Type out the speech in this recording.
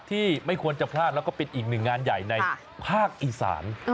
ที่ไม่ควรจะพลาดแล้วก็เป็นอีกหนึ่งงานใหญ่ในภาคอีสาน